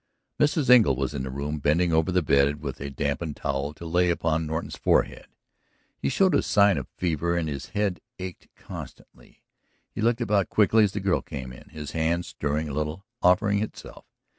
Mrs. Engle was in the room, bending over the bed with a dampened towel to lay upon Norton's forehead; he showed a sign of fever and his head ached constantly. He looked about quickly as the girl came in, his hand stirring a little, offering itself.